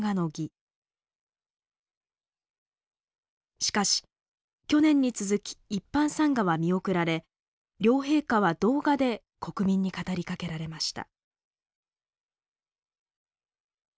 しかし去年に続き一般参賀は見送られ両陛下は動画で国民に語りかけられました。